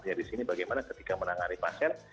ya di sini bagaimana ketika menangani pasien